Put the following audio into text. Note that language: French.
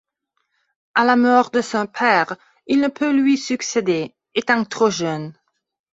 À la mort de son père, il ne peut lui succéder, étant trop jeune.